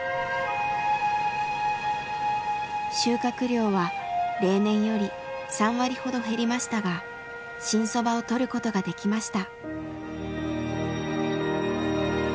収穫量は例年より３割ほど減りましたが新そばをとることができました。